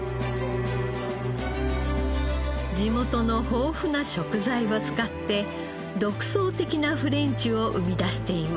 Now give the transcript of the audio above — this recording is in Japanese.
地元の豊富な食材を使って独創的なフレンチを生み出しています。